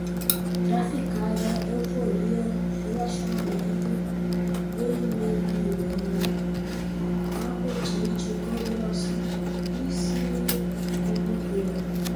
traficada, euforia, relaxamento, vermelhidão, apetite, coordenação psicomotora